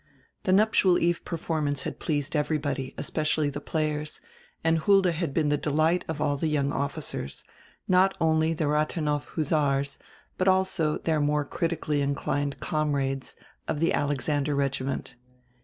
The nuptial eve performance had pleased everybody, especially the players, and Hulda had been the delight of all the young officers, not only the Rafhenow Hussars, but also their more critically inclined comrades of the Alex ander regiment.